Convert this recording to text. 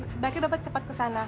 sebaiknya bapak cepat kesana